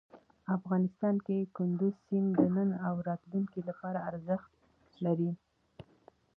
افغانستان کې کندز سیند د نن او راتلونکي لپاره ارزښت لري.